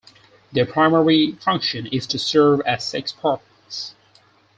Their primary function is to serve as sex partners.